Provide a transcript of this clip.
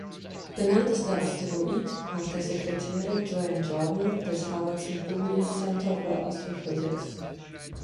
Benannt ist der Asteroid nach der Sekretärin "Joan Jordan" des Harvard-Smithsonian Center for Astrophysics.